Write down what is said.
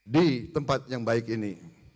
di tempat yang baik ini